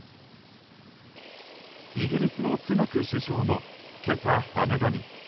イギリスのスナク首相も今朝、羽田に。